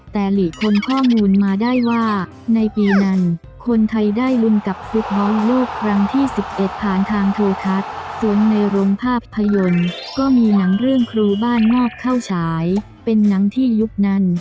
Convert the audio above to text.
แต่หลีค้นข้อมูลมาได้ว่าในปีนั้นคนไทยได้ลุ้นกับซุกน้อยโลกครั้งที่๑๑ผ่านทางโทรทัศน์ส่วนในโรงภาพยนตร์ก็มีหนังเรื่องครูบ้านนอกเข้าฉายเป็นหนังที่ยุคนั้น